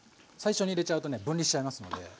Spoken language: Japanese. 最初に入れちゃうとね分離しちゃいますので。